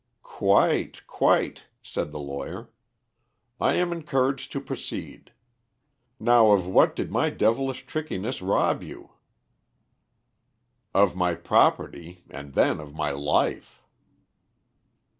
"Quite, quite," said the lawyer. "I am encouraged to proceed. Now of what did my devilish trickiness rob you?" "Of my property, and then of my life."